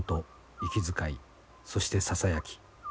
息遣いそしてささやき。